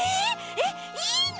えっいいの！？